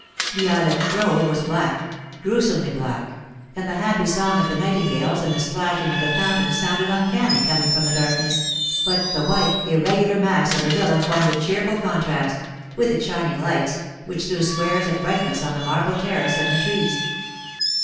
The ilex grove was black—gruesomely black—and the happy song of the nightingales and the splashing of the fountain sounded uncanny coming from the darkness; but the white, irregular mass of the villa formed a cheerful contrast, with its shining lights, which threw squares of brightness on the marble terrace and the trees.